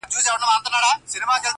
په سیوري پسي پل اخلي رازونه تښتوي،